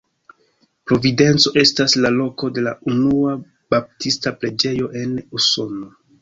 Providenco estas la loko de la unua baptista preĝejo en Usono.